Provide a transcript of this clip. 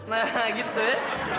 nah gitu ya